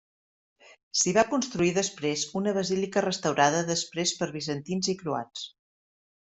S'hi va construir després una basílica restaurada després per bizantins i croats.